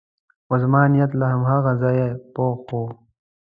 خو زما نیت له هماغه ځایه پخ و.